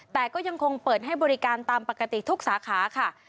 แต่ก็ยังคงเปิดให้บริการตามปกติทุกสาขาค่ะ